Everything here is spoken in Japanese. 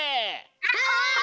はい！